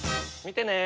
見てね。